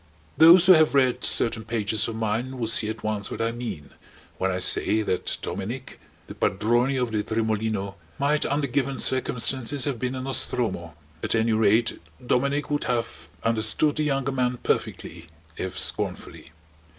Those who have read certain pages of mine will see at once what I mean when I say that Dominic, the padrone of the Tremolino, might under given circumstances have been a Nostromo. At any rate Dominic would have understood the younger man perfectly if scornfully.